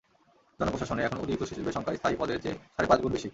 জনপ্রশাসনে এখন অতিরিক্ত সচিবের সংখ্যা স্থায়ী পদের চেয়ে সাড়ে পাঁচ গুণ বেশি।